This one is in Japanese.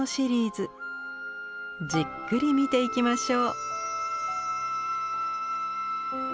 じっくり見ていきましょう。